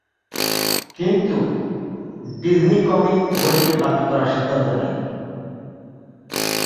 কিন্তু Disney comic বইটিকে বাতিল করার সিদ্ধান্ত নেয়।